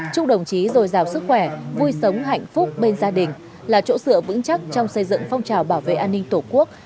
chúc đồng chí dồi dào sức khỏe vui sống hạnh phúc bên gia đình là chỗ dựa vững chắc trong xây dựng phong trào bảo vệ an ninh tổ quốc